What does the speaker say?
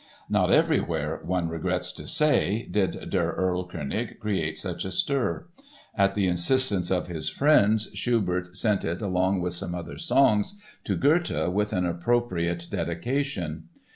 Not everywhere, one regrets to say, did Der Erlkönig create such a stir. At the insistence of his friends Schubert sent it, along with some other songs, to Goethe with an appropriate dedication.